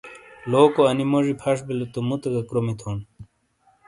لوکو انی موجی پھش بیلے تو مُوتے گہ کرومی تھون۔